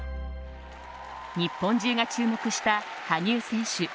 日本中が注目した、羽生選手